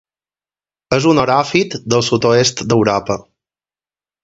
És un oròfit del sud-oest d'Europa.